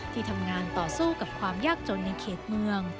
ที่ทำงานต่อสู้กับความยากจนในเขตเมือง